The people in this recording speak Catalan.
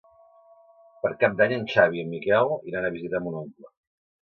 Per Cap d'Any en Xavi i en Miquel iran a visitar mon oncle.